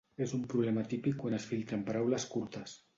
És un problema típic quan es filtren paraules curtes.